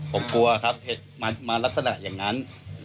ผมกลัวครับเหตุมาลักษณะอย่างนั้น